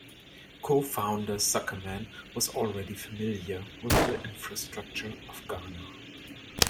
Co-founder Zuckerman was already familiar with the infrastructure of Ghana.